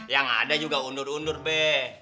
yang ada juga undur undur b